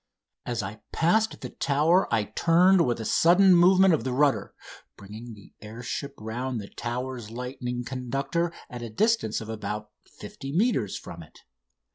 As I passed the Tower I turned with a sudden movement of the rudder, bringing the air ship round the Tower's lightning conductor at a distance of about 50 metres from it.